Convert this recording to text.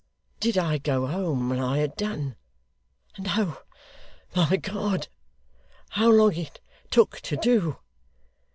'Did I go home when I had done? And oh, my God! how long it took to do!